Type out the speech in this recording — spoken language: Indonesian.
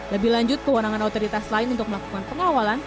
lebih lanjut kewenangan otoritas lain untuk melakukan pengawalan